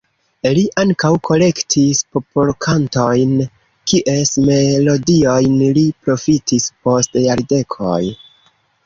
Li ankaŭ kolektis popolkantojn, kies melodiojn li profitis post jardekoj.